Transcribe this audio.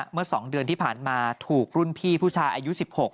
เมื่อ๒เดือนที่ผ่านมาถูกรุ่นพี่ผู้ชายอายุ๑๖